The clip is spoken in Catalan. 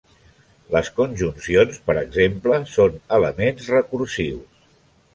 Les conjuncions, per exemple, són elements recursius.